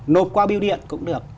nộp qua biêu điện cũng được